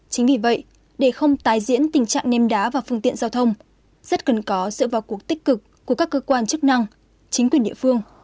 chính vì vậy để không tái diễn tình trạng nêm đá vào phương tiện giao thông rất cần có sự vào cuộc tích cực của các cơ quan chức năng chính quyền địa phương